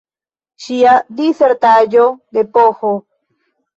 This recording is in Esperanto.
Ŝia disertaĵo de Ph.